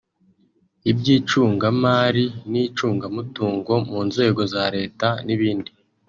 iby’icungamari n’icungamutungo mu nzego za Leta n’ibindi